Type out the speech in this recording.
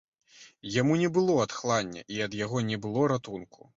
Яму не было адхлання, і ад яго не было ратунку.